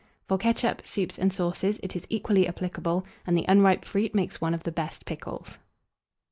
For ketchup, soups, and sauces, it is equally applicable, and the unripe fruit makes one of the best pickles.